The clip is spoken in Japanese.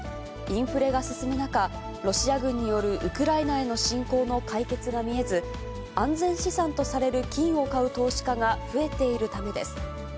インフレが進む中、ロシア軍によるウクライナへの侵攻の解決が見えず、安全資産とされる金を買う投資家が増えているためです。